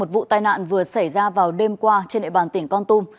vụ tai nạn vừa xảy ra vào đêm qua trên nệm bàn tỉnh con tum